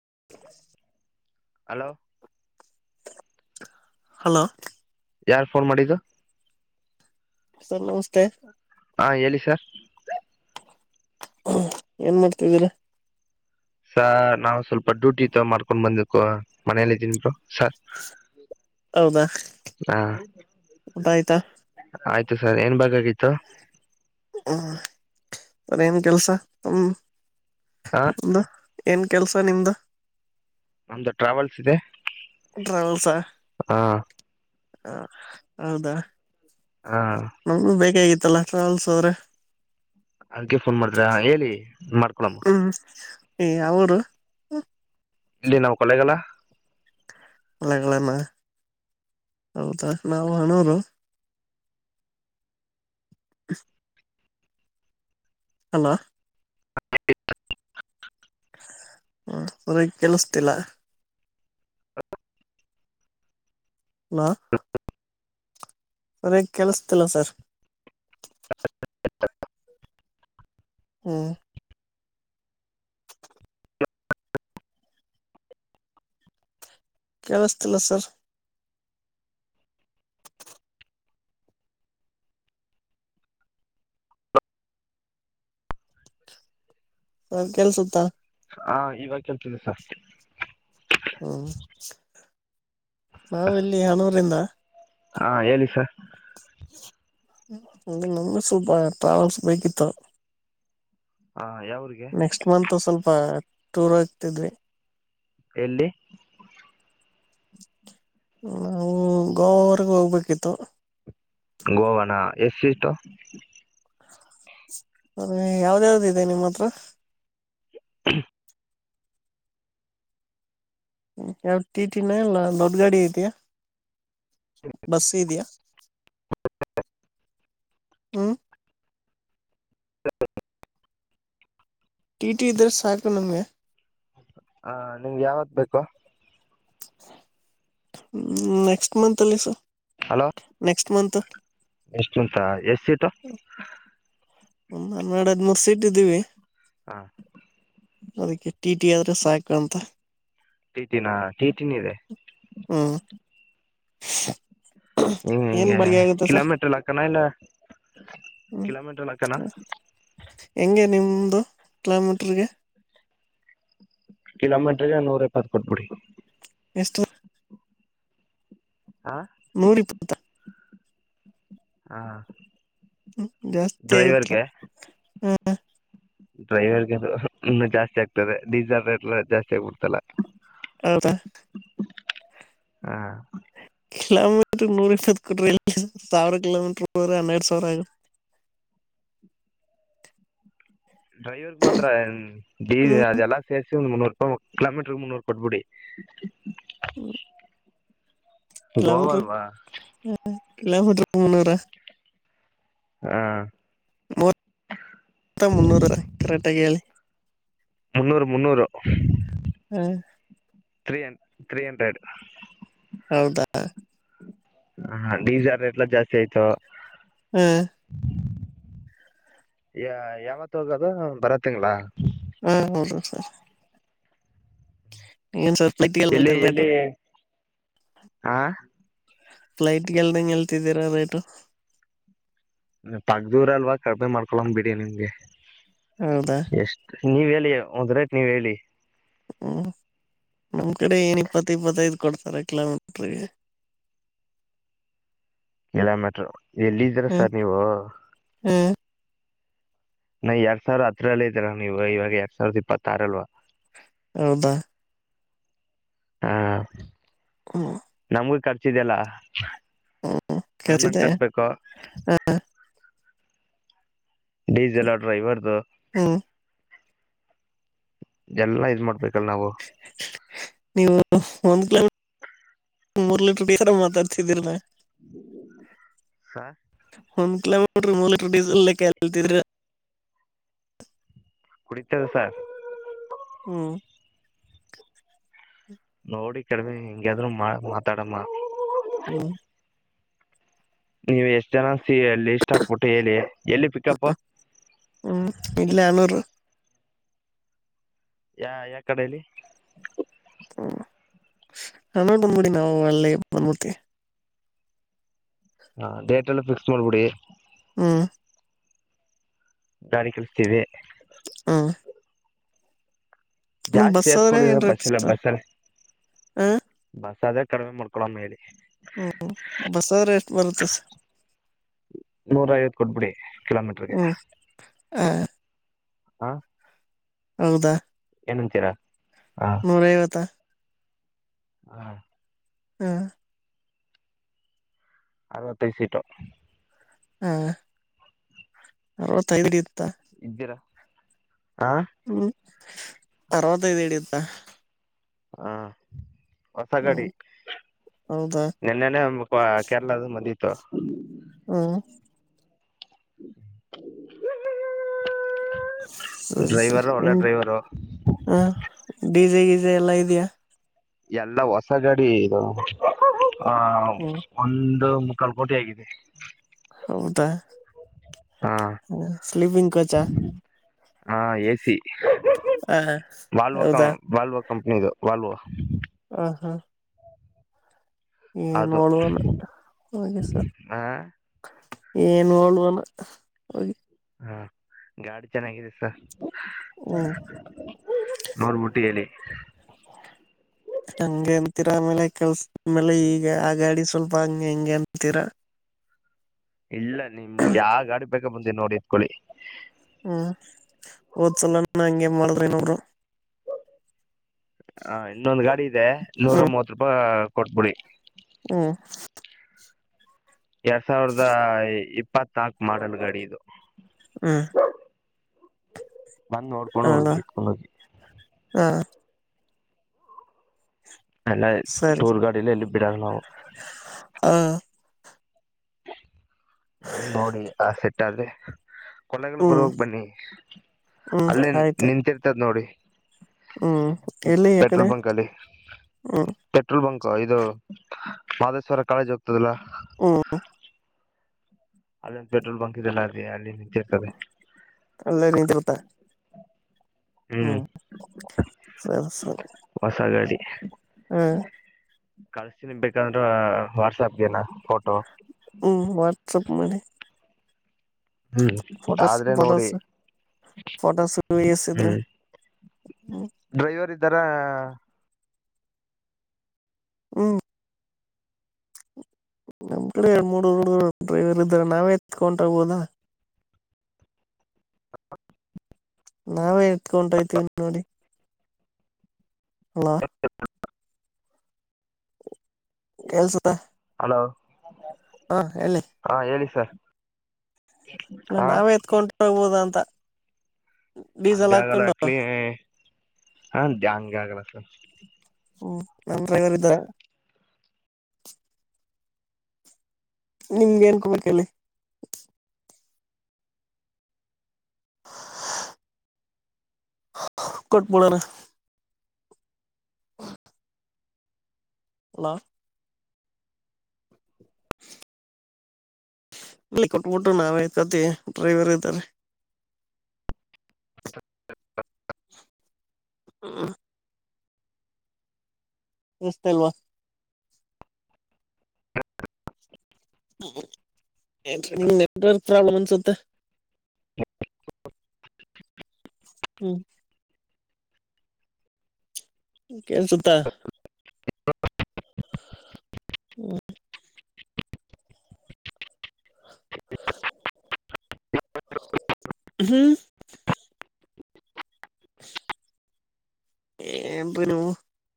[unintelligible] Hello. Hello. ಯಾರ್ phone ಮಾಡಿದ್ದು. Sir ನಮಸ್ಕಾರ. ಹಾ ಹೇಳಿ ಸರ್. ಏನ್ ಮಾಡ್ತಿದ್ದೀರಾ? ಸ ನಾ್ ಸ್ವಲ್ಪ ಡ್ಯೂಟಿ ತ ಮಾಡ್ಕೊಂಡ್ ಬಂದು ಮನೇಲ್ಲ ಇದೀನ್ರು ಸ ಹೌದಾ ಹಾ ಊಟ ಆಯ್ತಾ ಆಯ್ತ ಸರ್ ಏನ್ ಬಾಗ ಆಗಿತ್ತು? ಹ್ಮ ಸರೇನ್ ಕೆಲ್ಸ್ ಹ ಹ್ ಏನ್ ಕೆಲ್ಸ ನಿಮ್ದ? ನಮ್ದು ಟ್ರಾವೆಲ್ಸ್ ಇದೆ. ಟ್ರಲ್ಸ ಹ ಹ ಹೌದಾ? ಹ ನಮಗೂ ಬೇಕಾಗಿತ್ತಲ್ಲ ಟ್ರಾವೆಲ್ಸ್ ಅವ್ರೆ ಅದಕ್ಕೆ ಫೋನ್ ಮಾಡಿದ್ರಾ, ಹೇಳಿ ಮಾಡ್ಕೊಳಮ್ಮ. ಏ ಯಾವರು? ಇಲ್ಲಿ ನಾವು ಕೊಳ್ಳೆಗಲ [unintelligible] ಹೌದಾ ನಾವು ಹಣೋರು [unintelligible] ಅಲ [unintelligible] ಹ್ಮ ಅವ್ರಗ್ ಕೆಲ್ಸತಿಲ್ಲ. ನ. ಸರೇಯಾಗ್ ಕೆಲ್ಸತಿಲ್ಲ ಸರ್. [unintelligible] ಹ್ಮ್ ಕೇಳಿಸ್ತಿಲ್ಲ ಸರ್. ಹ ಕೆಲ್ಸುತ್ತಾ? ಹಾ ಇವಾಗ ಕೇಳ್ತಿದೆ ಸರ ಹ್ಮ್ ನಾವ ಇಲ್ಲಿ ಹಣೂರಿಂದ ಹಾ ಹೇಳಿ ಸರ್. ಇ ನಮ ಸಲ್ಪ ಟ್ರಾವೆಲ್ಸ್ ಬೇಕಿತ್ತು. ಹ ಯಾವ್ರಿಗೆ ನೆಕ್ಸ್ಟ ಮಂತ್ ಸ್ವಲ್ಪ ಟೂರ್ ಆಗ್ತಿದ್ವಿ, ಎಲ್ಲಿ? ನಾವು ಗೋವರೆಗೆ ಹೋಗ್ಬೇಕಿತ್ತು. ಗೋವಾನ ಎಸ್ ಸಿಷ್ಟು? ಅದೇ ಯಾವ್ದ ಯಾವ್ದು ಇದೆ ನಿಮ್ಮ ಹತ್ರ? [unintelligible] ಹ್ ಯಾವ ಟಿ ಟಿನ ಇಲ್ಲ ನೋ ಗಾಡಿ ಇದಯಾ ಬಸ್ ಇದ್ಯಾಾ? ಹ್ಮ ಹ ಹ ಟಿಟಿ ದರ್ ಸಾಕು ನಮ್ಗೆ. ಹಾ ನಿಮ್ಗೆ ಯಾವತ್ ಬೇಕು ಹ್ಮ ನೆಕ್ಸ್ಟ ಮಂತ್ ಅಲ್ಲಿ ಸರ ನೆಕ್ಸ್ಟ ಮಂತ್ ಎಷ್ಟುಂತ ಎಷ್ಟ ಸಿಟೂ? ಒಂದ್ನ್ನೆರಡ್ ಹದ್ಮೂರು ಸೀಟ್ ಇದ್ದೀವಿ ಹಾ ಅದಕ್ಕೆ ಟಿ ಟಿ ಆದ್ರೆ ಸಾಕು ಅಂತ ಟೀಟಿನ ಟೀಟಿನ ಇದೆ. ಹ್ಮ್ [inaudible] ಹ ಏನ್ ಈ ಬಾಡಿಗೆ ಆಗುತ್ತೆ ಸರ್ ಕಿಲೋಮೀಟರ್ ಕ್ಕಣ ಇಲ್ಲ [unintelligible] ಹ್ಮ್ ಕಲೋಮೀಟಲ್ಲಕ್ಕೆನಾ? ಹೆಂಗೆ ನಿಮ್ದ ಕಿಲೋಮೀಟ್ರಗೆ? ಕಿಲೋಮೆಂಟ್ರಗೆ ನೂರ ಇಪಾತ್ ಕೊಟ್ಬಿಡಿ. ಎಷ್ಟು ಹಾ ನೂರಿ ಇಪ್ಪತ್ತು ಹಾ [unintelligible] ಹ್ಮ ಜಾಸ್ತಿ ಆಗತ್ರ ಹ [inaudible] ಡ್ರೈವರ್ ಗೆ ಇನ್ನು ಜಾಸ್ತಿ ಆಗ್ತದೆ ಡೀಸೆಲ್ ರೇಟ್ ಜಾಸ್ತಿ ಆಗ್ಬಿಡ್ತಲ್ಲ [unintelligible] ಹೌದಾ [unintelligible] ಹಾ ಕಿಲೋಮೀಟ್ರ ನೂರ್ ಇಪ್ಪತ್ತು ಕೊಟ್ರಿ ಇಲ್ಲ ಸಾವಿರ ಕಿಲೋಮೀಟ್ರ ನೂರ ಹನ್ನೆರಡು ಸಾವಿರ ಆಗ [unintelligible] [inaudible] ಡ್ರೈವರ್ಗೆ ಮಾತ್ರ ಡ ಹ್ಮ್ ಅದೆಲ್ಲಾ ಸೇರಿಸೀ [unintelligible] ಒಣ ಮುನ್ನೂರು ರೂಪ ಕಿೋಮೀಟರ್ ಮುನ್ನೂರು ಕೊಟ್ಬಡಿ [unintelligible] ಹ್ಮ [unintelligible] ಗೋವಾ ಕಿಲೋಮೀಟರ್ ಅಲ್ವಾ ಕಿಲೋಮೀಟರ್ ಗೆ ಮುನ್ನೂರ [unintelligible] ಹಾ [unintelligible] ಮೂ ಮುನ್ನೂರ ಕರೆಕ್ಟ್ಗ ಹೇಳಿ [unintelligible] ಮುನ್ನೂರು ಮುನ್ನೂರು [unintelligible] ಹ್ಮ [unintelligible] ತ್ರೀ ಹ ತ್ರೀ ಹಂಡ್ರೆಡ್ [unintelligible] ಹೌದಾ [unintelligible] ಹ ಡೀಸೆಲ್ ರೇಟ್ಲ್ಲ ಜಾಸ್ತಿ ಆಯ್ತು [unintelligible] ಹಾ ಯ ಯಾವತ್ ಹೋಗದು ಬರತ್ತ ಹಾ ಹೌದು ಸರ್ [unintelligible] ಏನ್ ಸರ್ [unintelligible] ಎಲ್ಲಿ ನಿಲ್ತೀರ ರೇಟು ಎಲ್ಲಿ, ಹಾ [unintelligible] ಫ್ಲೈಟ್ಗೆಲ್ದಂಗ ಎಲ್ತಿದ್ದೀರಾ ರೈಟು ಪಕ್ದೂರ ಅಲ್ವಾ ಕಡಿಮೇ ಮಾಡ್ಕೊಳಂಗ್ ಬಿಡಿ ನಿಮ್ಗೆ ಹೌದಾ [unintelligible] ನೀವ ಹೇಳಿ ಒಂದ್ ರೈಟ್ ನೀವ ಹೇಳಿ [unintelligible] ಹ್ಮ್ ನಮ್ ಕಡೆ ಏನ್ ಇಪ್ಪತ್ತ ಇಪ್ಪತ್ತೈದು್ ಕೊಡ್ತಾರ ಕಿಲೋಮೀಟ್ರಗೆ [unintelligible] [inaudible] ಕಿಲೋಮೀಟರ್ ಎಲ್ಲಿದ್ದೀರಾ ಸರ್ ನೀವು [unintelligible] ಹ್ಮ್ ನಾ ಎರಡ್ ಸಾವಿರದ ಹತ್ರರಲ್ಲ ಇದರ ನೀವ ಇವಾಗ ಎರಡ್ ಸಾವಿರದ ಇಪ್ಪತ್ತಾರಲ್ವಾ [unintelligible] ಹೌದಾ [unintelligible] ಹಾ ಹ್ಮ್ ನಮ್ಗೂ ಕರ್ಚಿಧೇಅಲ [unintelligible] ಹ್ಮ್ ಅರಮೆಂಡ ಖರ್ಚಿದೆ ಕಟ್ಬೇಕು [unintelligible] ಡೀಸೆಲ್ ಆ ಡ್ರೈವರ್ದು ಹ್ಮ್ ಎಲ್ಲಾ ಇದ್ ಮಾಡ್ಬೇಕಲ್ ನಾವು ನೀವು ಒಂದ್ ಕಿಲೋ ಮೂರ್ ಲೀಟರ್ ಬೇಕರ ಮಾತಾಡ್ತಿದೀಲ್ ಹರಿ ಮೋಟ ಮೂಲಟರ್ ಡೀಸೆಲ್ ಲೆಕ್ಕ ಅ ನಿಲ್ತಿದರು ಕುಡಿತದ ಸಾರ್ ಹ್ಮ್ ನೋಡಿ ಕಡಿಮೆ ಹಿಂಗಾದ್ರು ಮಾ ಮಾತಾಡಮ್ಮ ಹ್ಮ್ ನೀವ್ ಎಷ್ಟ ಜನ ಲ್ಲಿ ಇಷ್ಟ ಹಾಕ್ಬಿಟ್ಟು ಹೇಳಿ ಎಲ್ಲಿ ಪಿಕಪ್ ಹ್ಮ್ ಇಲ್ಲೇ ಅನೂರು ಯಾ ಯ ಕಡಲಿ ಹ್ಮ ನನ್ನ ಬಂದ್ಬಿಡಿ ನಾವು ಅಳ್ಳೆ ಬಂದಬಿಡ್ತಿ ಹ ಡೇಟ್ ಎಲ್ಲ ಫಿಕ್ಸ್ ಮಾಡ್ಬಿಡಿ ಹ್ಮ್ ಗಾರಿ ಕೆಳಿಸತೀವಿ ಹಾ ಜಾಸ್ತಿ ಆದ್ರೆ ಸೇರ್ಸ್ಕೊಂಡಿದ ಏನ್ ರೇಟ್ ಬಸ್ಲ್ಲ ಸರ್ ಬಸ್ಲ್ಲ ಹ ಬಸ್ ಅದ ಕಡಿಮೆ ಮಾಡ್ಕೊಳ ಅ ಮೇರಿ ಹ್ಮ್ ಬಸ ಎಷ್ಟ ಬರುತ್ತೆ ಸರ ನೂರ ಐವತ್ ಕೊಟ್ಬಿಡಿ ಕಿಲೋಮೀಟರ್ಗೆ ಹ್ಮ್ ಹ ಹ ಹೌದಾ ಏನಂತೀರಾ ಹಾ ನೂರ ಐವತ್ತಾ ಹಾ ಹಾ ಅರವತ್ತೈದು ಸೀಟು. ಹಾ ಅರವತ್ತೈದ್ ಇತ್ತ. ಇದ್ದೀರಾ ಹ ಅರ್ವತ್ತೈದ ಹಿಡಿಯುತ್ತಾ ಹ ಹೊಸ ಗಾಡಿ ಹ್ಮ್ ಹೌದಾ ನೆನ್ನೆನೆ ಕೇರಳದಿಂದ ಬಂದಿತ್ತು. ಹ್ಮ ಸರಿ ಸರಿ ಡ್ರೈವರು ಎ ಒಳ್ಳೆ ಡ್ರೈವರು ಹ ಡಿ ವಿ ಇದ್ರೆ ಎಲ್ಲಾ ಇದೆಯಾ ಎಲ್ಲ ಹೊಸ ಗಾಡಿ ಇದವ ಆ ಒ ಹ್ಮ್ ಒಂದು ಮುಕ್ಕಾಲ್ ಕೋಟಿ ಆಗಿದೆ ಹೌದಾ ಹಾ ಸ್ಲಿಪಿಂಗ್ ಕೋಚ್ ಹಾ ಎಸಿ ಹ ವಾಲ್ವ ಕ ಹೌದಾ ಇದು ವಾಲ್ವ ಕಂಪನಿದು ವಾಲ್ವ ಹ ಹಾ ಏನ್ ಅದು ನೋಡುವಣ ಹಾಗೆ ಸರ್ ಹ ಏನು ನೋಡಲ್ವನ ಹೋಗಿ ಹಾ ಗಾಡಿ ಚೆನ್ನಾಗಿದೆ ಸರ್ ಹ್ಮ್ ನೋಡ್ಬಿಟ್ಟು ಹೇಳಿ ಹ [inaudible] ಹಂಗೆ ಅಂತೀರ ಆಮೇಲೆ ಕೆಲಸದ ಮೇಲೆ ಈಗ ಆ ಗಾಡಿ ಸ್ವಲ್ಪ ಹಂಗೆ ಹಿಂಗೆ ಅಂತೀರಾ. ಇಲ್ಲ ನಿಮ್ ಯಾವ ಗಾಡಿ ಬೇಕ ಬಂದೀ ನೋಡಿ ಇತ್ಕೊಳಿ ಹ್ಮ್ ಓದ್ಸಲನ ಹಂಗೆ ಮಾಡ್ರೆನಾವರೂ ಹ ಇನ್ನೊಂದು ಗಾಡಿ ಇದೆ ನೂರ ಮೂವತ್ ರೂಪಾಯ ಕೊಟ್ಬಿಡಿ ಹ್ಮ ಎರಡ್ ಸಾವಿರದ ಇಪ್ಪತ್ನಾಕ ಮಾಡಲ್ ಗಾಡಿ ಇದು ಹ್ಮ ಬಂದ್ ನೋಡ್ಕೊಂಡು ಅಣ ಹೋಗಿ ಇತ್ಕೊಂಡೋಗಿ ಹಾ ಎಲ್ಲ ಸರಿ ಟೂರ್ ಗಾಡಿಲ್ಲ ಎಲ್ಲಿ ಬಿಡಾಗಲ ನಾವು ಹ ಬಂದ್ ನೋಡಿ ಆ ಸೆಟ್ ಆದ್ರೆ ಕೊಲೆಗಳು ಹ್ಮ್ ಬರುವೋಗ ಬನ್ನಿ ಹ್ಮ್ ಅಲ್ಲೇ ಆಯ್ತು ನಿಂತಿರ್ತದ್ ನೋಡಿ ಹ್ಮ್ ಎಲ್ಲಿ ಈ ಪೆಟ್ರೋಲ್ ಕಡೆ ಬಂಕ ಅಲ್ಲಿ ಹ್ಮ್ ಪೆಟ್ರೋಲ್ ಬಂಕ್ ಇದು ಮಹದೇಶ್ವರ ಕಾಲೇಜ್ ಹೋಗ್ತದಲ್ಲ ಹ ಅಲ್ಲೊಂದು ಪೆಟ್ರೋಲ್ ಬಂಕ್ ಇದೆಲ್ಲ ಅದೆ ಅಲ್ಲಿ ನಿಂತಿರ್ತದೆ ಅಲ್ಲೆ ನೀಂತ ಬಿಟ್ಟ ಹ್ಮ್ ಸರಿ ಸರಿ ಹೊಸ ಹ್ಮ ಕಳ್ಸತನಿ ಬೇಕಂದ್ರ ವಾಟ್ಸಪ್ಗೆ ನಾ ಹ್ಮ್ ವಾಟ್ಸಪ್ ಮಾಡಿ ಹ್ಮ್ ಫೋಟೋಸ್ ಆದ್ರೆ ನೋಡಿ ಫೋಟೋಸ್ ಫೋಟೋಸ್ ಎಸಿದ್ರೆ ಹ್ಮ್ ಹ್ಮ್ ಡ್ರೈವರ್ ಇದ್ದಾರ. ಹ್ಮ್ ನಮ್ ಕಡೆ ಎರಡು ಮೂರು ಡ್ರೈವರ್ ಇದ್ದಾರೆ ನಾವೇ ಎತ್ಕೊಂಡ್ಗ್ಬೋದ. ನಾವೇ ಇತ್ಕೊಟೈತೀನ್ ನೋಡಿ. ಹಲೋ ಕೇಳುಸುತ್ತಾ ಹಲೋ ಹೇಳಿ ಹಾ ಹೇಳಿ ಸರ್. ಹ ನಾವೇ ಎತ್ಕೊಂಟ ಹೋಗ್ಬೋದ ಅಂತ. ಹಂಗ ಡೀಸೆಲ್ ಆಗಲ್ಲ ಹಾಕೊಂಡು ಆಕ್ಲಿ ಹ ಹಂಗಗೆ ಆಗಲ್ಲ ಸರ್. ಹ್ಮ್ ನನ್ ಡ್ರೈವರ್ ಇದಾರೆ. ನಿಮ್ಗೆ ನ್ಕೋ ಬೇಕಲ್ಲಿ [unintelligible] [unintelligible] ಹಲೋ [unintelligible] ಇಲ್ಲಿ ಕೊಟ್ಬಿಟ್ಟು ನಾವಾಯ್ತತಿ ಡ್ರೈವರ್ ಇದ್ದಾರೆ. [unintelligible] ಹಾ ಎಷ್ಟ ಅಲ್ವಾ ನಂಗ್ ನೆಟ್ವರ್ಕ್ ಪ್ರಾಬ್ಲಮ್ ಅನ್ಸುತ್ತೆ ಹ್ಮ್ ಕೇಳುಸ್ತಾ ಹ್ಮ ಹ್ಮ್ ಏನ್ರಿ ನೀವು